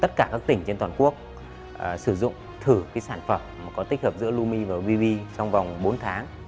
tất cả các tỉnh trên toàn quốc sử dụng thử sản phẩm có tích hợp giữa lumi và vb trong vòng bốn tháng